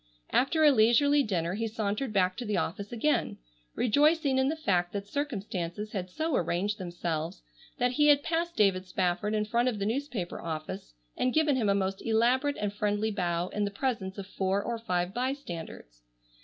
After a leisurely dinner he sauntered back to the office again, rejoicing in the fact that circumstances had so arranged themselves that he had passed David Spafford in front of the newspaper office and given him a most elaborate and friendly bow in the presence of four or five bystanders.